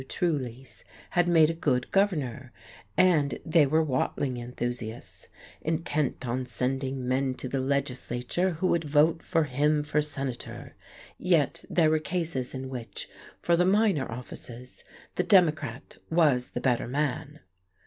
Trulease had made a good governor; and they were Watling enthusiasts, intent on sending men to the legislature who would vote for him for senator; yet there were cases in which, for the minor offices, the democrat was the better man!